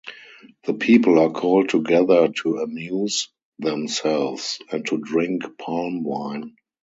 The people are called together to amuse themselves and to drink palm wine.